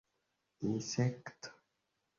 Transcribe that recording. insekto